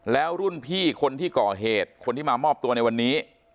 แล้วรุ่นพี่คนที่ก่อเหตุคนที่มามอบตัวในวันนี้